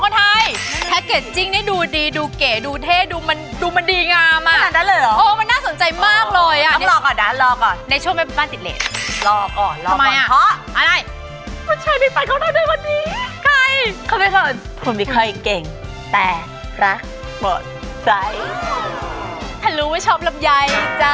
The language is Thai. หาทางของพี่เข้าทางก่อนนี่ไม่ใช่